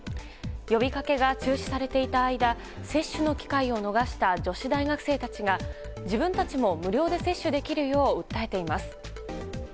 呼びかけが中止されていた間接種の機会を逃した女子大学生たちが自分たちも無料で接種できるよう訴えています。